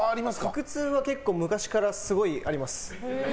腹痛は結構、昔からすごいあります。